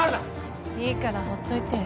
いいからほっといて。